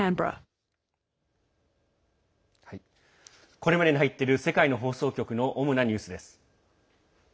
これまでに入っている世界の放送局の主なニュースです。